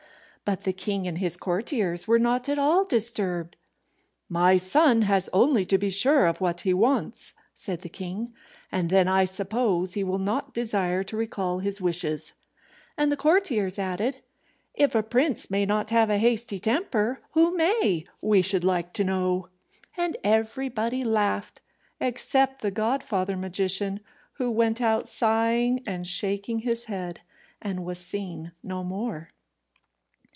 But the king and his courtiers were not at all disturbed. "My son has only to be sure of what he wants," said the king, "and then, I suppose, he will not desire to recall his wishes." And the courtiers added, "If a prince may not have a hasty temper, who may, we should like to know?" And everybody laughed, except the godfather magician, who went out sighing and shaking his head, and was seen no more.